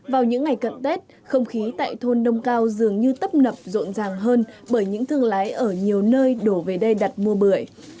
vào những ngày cận tết không khí tại thôn nông cao dường như tấp nập rộn ràng hơn bởi những thương lái ở nhiều nơi đổ về đây đặt mua bưởi